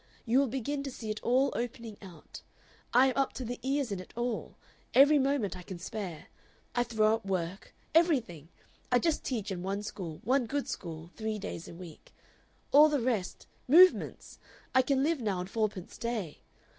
You will begin to see it all opening out. I am up to the ears in it all every moment I can spare. I throw up work everything! I just teach in one school, one good school, three days a week. All the rest Movements! I can live now on fourpence a day.